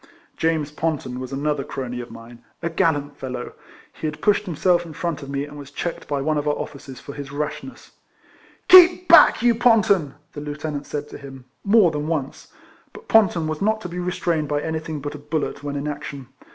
James Ponton was another crony of mine (a gallant fellow!); he had pushed himself in front of me, and was checked by one of our officers for his 36 RECOLLECTIONS OF raslmess. "Keep back, you Ponton!" the lieutenant said to him, more than once. But Ponton was not to be restrained by anything but a bullet when in action.